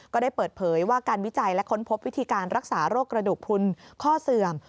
ก็ได้เปิดเผยว่าการวิจัยและค้นพบวิธีการรักษาโรคกระดูกพลุนข้อเสื่อม